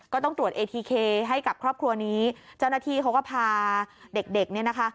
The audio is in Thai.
ก็ต้องตรวจเอทีเคให้กับครอบครัวนี้เจ้าหน้าที่เขาก็พาเด็กเด็กเนี่ยนะคะ